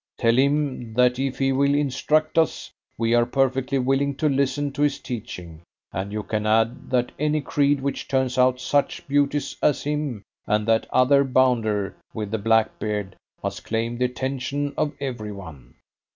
Tell him that if he will instruct us, we are perfectly willing to listen to his teaching, and you can add that any creed which turns out such beauties as him, and that other bounder with the black beard, must claim the attention of every one."